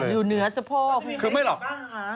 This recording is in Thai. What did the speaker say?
อยู่คุณงานเนี่ยแหละ